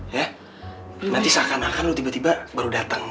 ya nanti seakan akan lo tiba tiba baru dateng